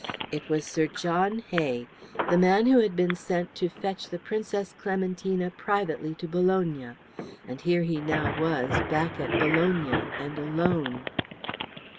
It was Sir John Hay, the man who had been sent to fetch the Princess Clementina privately to Bologna, and here he now was back at Bologna and alone.